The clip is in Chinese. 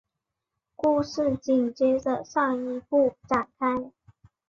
故事紧接着上一部展开。